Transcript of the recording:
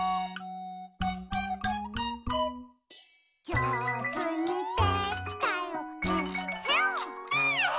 「じょうずにできたよえっへん」